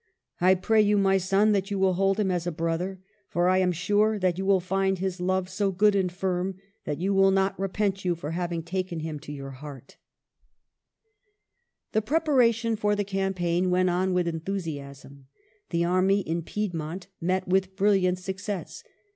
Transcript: I pray you, my son, that you will hold him as a brother, for I am sure that you will find his love so good and firm that you will not repent you for having taken him to your heart." II 1 62 MARGARET OF ANGOUL^ME. The preparation for the campaign went on with enthusiasm. The army in Piedmont met with brilliant success.